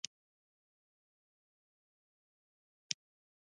قلندر به سمدستي خپل دريځ څرګند کړ.